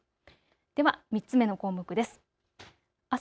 では３つ目の項目です。